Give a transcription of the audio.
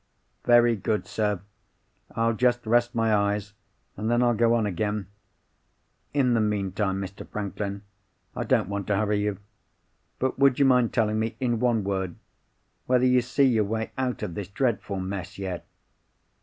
"Very good, sir. I'll just rest my eyes, and then I'll go on again. In the meantime, Mr. Franklin—I don't want to hurry you—but would you mind telling me, in one word, whether you see your way out of this dreadful mess yet?"